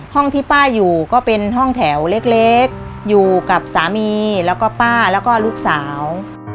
ห้องที่ป้าอยู่ก็เป็นห้องแถวเล็กอยู่กับสามีแล้วก็ป้าแล้วก็ลูกสาว